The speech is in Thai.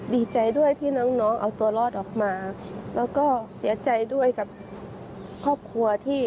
ดีใจด้วยที่น้องเอาตัวรอดออกมา